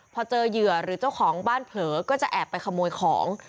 พอเจอเหยื่อหรือเจ้าของบ้านเผลอก็จะแอบไปขโมยของ